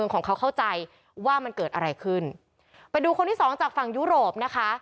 ของเขาเข้าใจว่ามันเกิดอะไรขึ้นไปดูคนที่สองจากฝั่งยุโรปนะคะ